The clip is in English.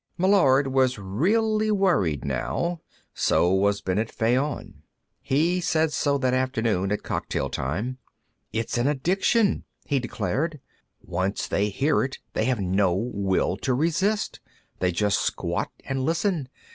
Meillard was really worried, now. So was Bennet Fayon. He said so that afternoon at cocktail time. "It's an addiction," he declared. "Once they hear it, they have no will to resist; they just squat and listen.